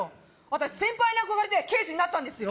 私先輩に憧れて刑事になったんですよ